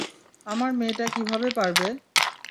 আমার মেয়েটা কীভাবে পারবে?